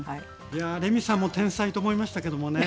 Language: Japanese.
いやレミさんも天才と思いましたけどもね。